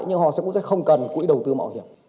nhưng họ sẽ không cần quỹ đầu tư mòi hẻm